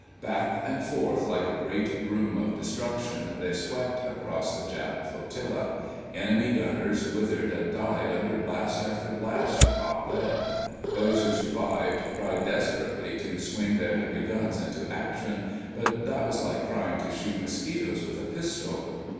Back and forth like a great broom of destruction they swept across the Jap flotilla. Enemy gunners withered and died under blast after blast of hot lead. Those who survived tried desperately to swing their heavier guns into action, but that was like trying to shoot mosquitoes with a pistol.